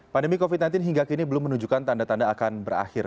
pandemi covid sembilan belas hingga kini belum menunjukkan tanda tanda akan berakhir